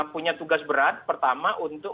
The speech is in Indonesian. punya tugas berat pertama untuk